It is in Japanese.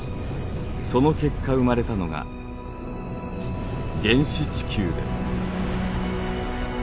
その結果生まれたのが原始地球です。